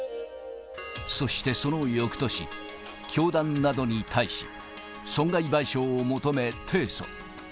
そしてそのよくとし、教団などに対し、損害賠償を求め、提訴。